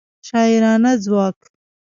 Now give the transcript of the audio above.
شاعرانه ځواک